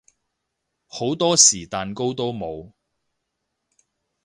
好多時蛋糕都冇